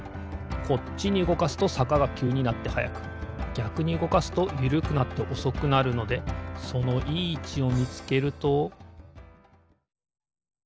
こっちにうごかすとさかがきゅうになってはやくぎゃくにうごかすとゆるくなっておそくなるのでそのいいいちをみつけると。